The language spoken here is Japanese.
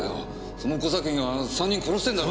その工作員が３人殺してんだろ？